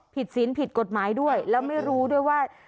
ศีลผิดกฎหมายด้วยแล้วไม่รู้ด้วยว่า